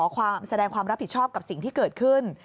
ความแสดงความรับผิดชอบกับสิ่งที่เกิดขึ้น